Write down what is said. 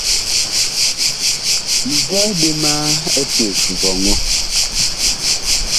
Mi byɛɛ ɓe ma eceg vɔŋɔ.